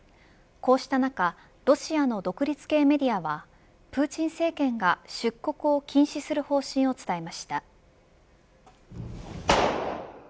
こうした中ロシアの独立系メディアはプーチン政権が出国を禁止する方針を伝えました。